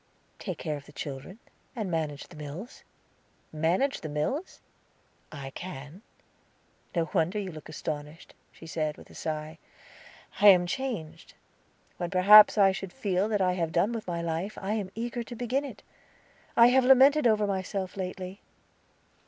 "Take care of the children, and manage the mills." "Manage the mills?" "I can. No wonder you look astonished," she said, with a sigh. "I am changed. When perhaps I should feel that I have done with life, I am eager to begin it. I have lamented over myself lately."